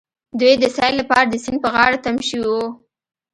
دوی د سيل لپاره د سيند په غاړه تم شوي وو.